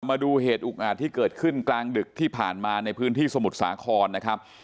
มาดูเหตุอุกอาจที่เกิดขึ้นกลางดึกที่ผ่านมาในพื้นที่สมุทรสาครนะครับ